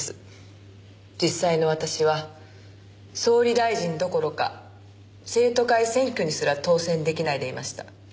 実際の私は総理大臣どころか生徒会選挙にすら当選出来ないでいました。